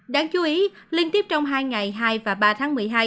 đáng chú ý liên tiếp trong hai ngày hai và ba tháng